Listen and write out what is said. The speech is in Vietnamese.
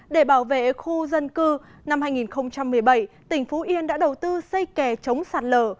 để bảo vệ khu dân cư năm hai nghìn một mươi bảy tỉnh phú yên đã đầu tư xây kè chống sạt lở